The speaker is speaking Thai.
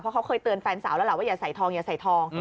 เพราะเขาเคยเตือนแฟนสาวแล้วว่าอย่าใส่ทอง